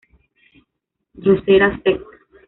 Drosera sect.